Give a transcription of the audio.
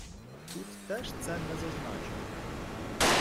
Тут теж це не зазначено.